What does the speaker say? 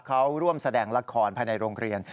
เขาร่วมแสดงละครภายในโรงเรียน